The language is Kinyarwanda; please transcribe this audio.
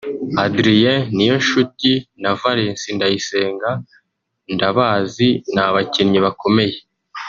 Adrien (Niyonshuti) na Valens (Ndayisenga) ndabazi ni abakinnyi bakomeye